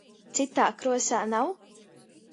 Cytā kruosā nav?